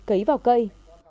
cấy vào cây